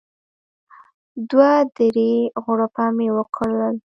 دوه درې غوړپه مې وکړل.